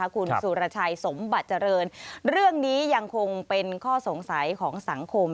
คุณสุรชัยสมบัติเจริญเรื่องนี้ยังคงเป็นข้อสงสัยของสังคม